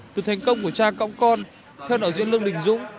từ thành công của cha cõng con theo đạo diễn lương đình dũng